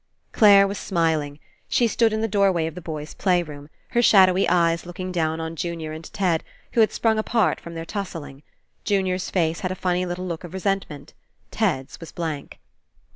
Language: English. Clare was smiling. She stood in the doorway of the boys' playroom, her shadowy eyes looking down on Junior and Ted, who had sprung apart from their tusselling. Junior's face had a funny little look of resentment. Ted's was blank.